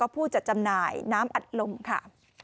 ผู้จัดจำหน่ายน้ำอัดลมค่ะ